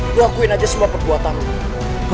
lo akuin aja semua perbuatan lo